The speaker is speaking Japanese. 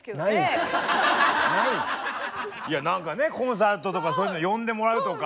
いや何かねコンサートとかそういうの呼んでもらうとか。